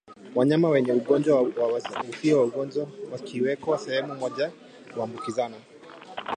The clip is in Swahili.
Wanyama wenye ugonjwa na wasio na ugonjwa wakiwekwa sehemu moja huambukizana